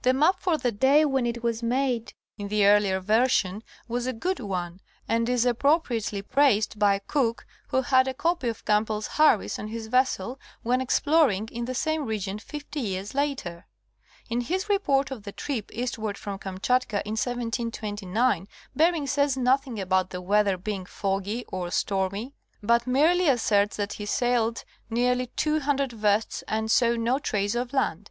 The map for the day when it was made (in the earlier version) was a good one, and is appropriately praised by Cook, who had a copy of Campbell's Harris on his vessel when exploring in the same region fifty years later. In his report of the trip eastward from Kamchatka in 1729, Bering says nothing about the weather being foggy or stormy, 166 National Geographic Magazine. but merely asserts that he sailed nearly 200 versts and saw no trace of land.